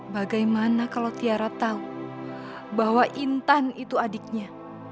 bagaimana kalau tiara tahu bahwa intan itu adiknya